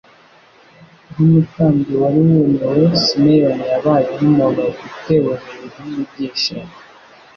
Nk'umutambyi wari wumiwe, Simeyoni yabaye nk'umuntu utewe hejuru n'ibyishimo